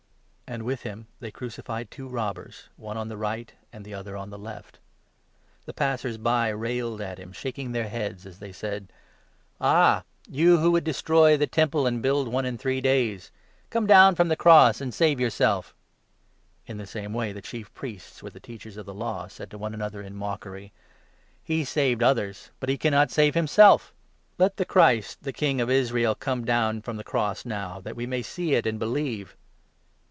And with him they crucified two robbers, one on the right, 27 and the other on the left. The passers by railed at 29 him, shaking their heads, as they said : "Ah ! you who 'destroy the Temple and build one in three days,' come down from the cross and save yourself! " 30 In the same way the Chief Priests, with the Teachers of the 31 Law, said to one another in mockery : "He saved others, but he cannot save himself! Let the 32 Christ, the 'King of Israel,' come down from the cross now, that we may see it and believe."